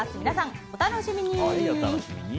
皆さん、お楽しみに。